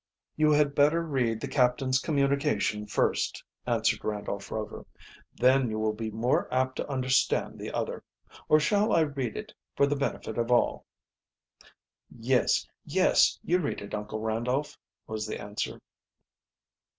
"You had better read the captain's communication first," answered Randolph Rover. "Then you will be more apt to understand the other. Or shall I read it for the benefit of all?" "Yes, yes, you read it, Uncle Randolph," was the answer.